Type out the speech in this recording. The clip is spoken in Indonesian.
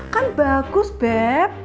kan bagus beb